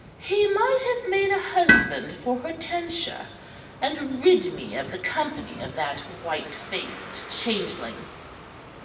"He might have made a husband for Hortensia, and rid me of the company of that white faced changeling."